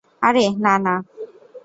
আরে না, না।